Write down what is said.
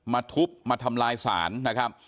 ทุบมาทำลายศาลนะครับ